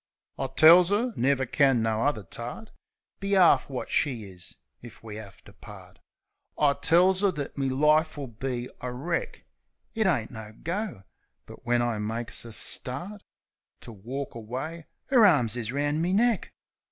I tells 'er, never can no uvver tart Be 'arf wot she is, if we 'ave to part. I tells 'er that me life will be a wreck. It ain't no go. But when I makes a start To walk away, 'er arms is roun' me neck.